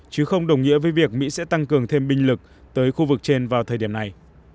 chứ không đồng nghĩa với việc mỹ sẽ tăng cường thêm binh lực tới khu vực trên vào thời điểm này